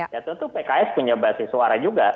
ya tentu pks punya basis suara juga